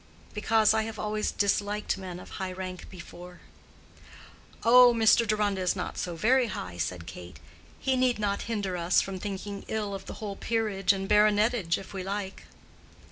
"Because I have always disliked men of high rank before." "Oh, Mr. Deronda is not so very high," said Kate, "He need not hinder us from thinking ill of the whole peerage and baronetage if we like."